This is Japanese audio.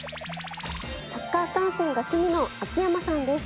サッカー観戦が趣味の秋山さんです。